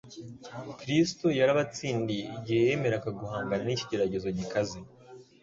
Kristo yarabatsindiye igihe yemeraga guhangana n'ikigeragezo gikaze.